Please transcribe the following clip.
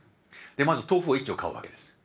まず豆腐を１丁買うわけです。